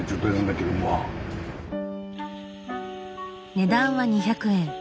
値段は２００円。